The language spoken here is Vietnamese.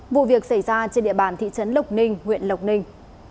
vụ việc xảy ra trên địa bàn thị trấn lộc ninh huyện lộc ninh